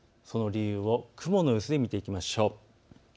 その理由を雲の様子で見ていきましょう。